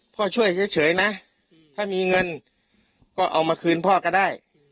ช่วยเฉยนะถ้ามีเงินก็เอามาคืนพ่อก็ได้